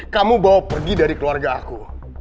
kamu bawa pergi dari keluarga aku